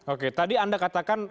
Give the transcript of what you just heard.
oke tadi anda katakan